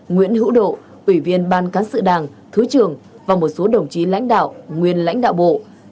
nguyễn hữu độ ủy viên ban cán sự đảng thứ trưởng và một số đồng chí lãnh đạo nguyên lãnh đạo bộ